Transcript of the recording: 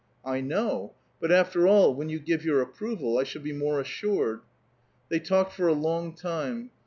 *''• I know ; but after all, when you give your approval, I shall be more assured." They talked for a long time.